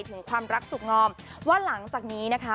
ถึงความรักสุขงอมว่าหลังจากนี้นะคะ